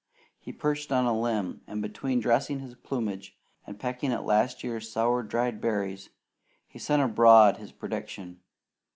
He perched on a limb, and between dressing his plumage and pecking at last year's sour dried berries, he sent abroad his prediction.